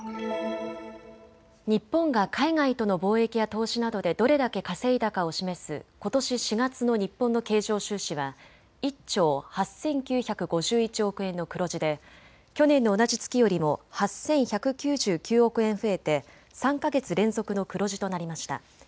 日本が海外との貿易や投資などでどれだけ稼いだかを示すことし４月の日本の経常収支は１兆８９５１億円の黒字で去年の同じ月よりも８１９９億円増えて３か月連続の黒字となりました。